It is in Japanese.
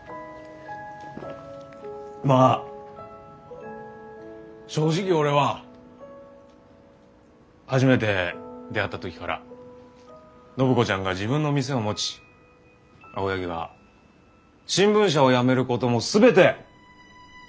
まあ正直俺は初めて出会った時から暢子ちゃんが自分の店を持ち青柳が新聞社を辞めることも全て想定していた。